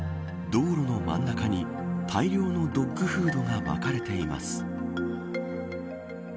道路の真ん中に大量のドッグフードがまかれています。